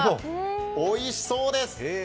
おいしそうです。